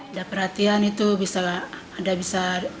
ada perhatian itu bisa ada bisa